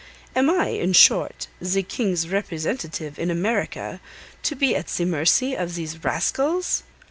Am I, in short, the King's representative in America, to be at the mercy of these rascals?"